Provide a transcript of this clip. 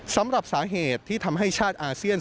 สำหรับสาเหตุที่ทำให้ชาติอาเซียน